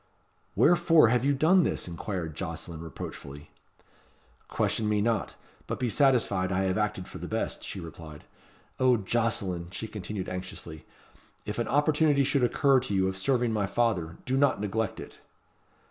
"Wherefore have you done this?" inquired Jocelyn reproachfully. "Question me not; but be satisfied I have acted for the best," she replied. "O Jocelyn!" she continued anxiously, "if an opportunity should occur to you of serving my father, do not neglect it."